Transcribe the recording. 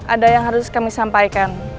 ada yang harus kami sampaikan